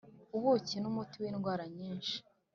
ubuki ni umuti w’indwara nyinshi